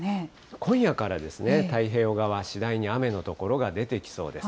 今夜から太平洋側、次第に雨の所が出てきそうです。